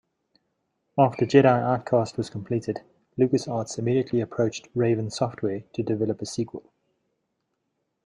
After "Jedi Outcast" was completed, LucasArts immediately approached Raven Software to develop a sequel.